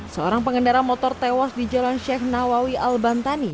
seorang pengendara motor tewas di jalan sheikh nawawi al bantani